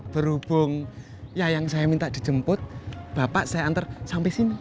berhubung ya yang saya minta dijemput bapak saya antar sampai sini